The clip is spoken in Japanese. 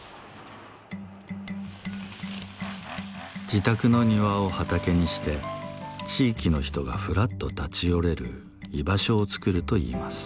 自宅の庭を畑にして地域の人がふらっと立ち寄れる居場所をつくるといいます。